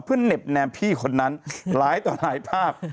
เพื่อเน็บแนมพี่คนนั้นหลายต่อหลายภาพ